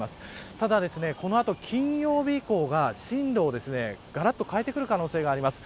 ただ、この後金曜日以降が進路をがらっと変えてくる可能性があります。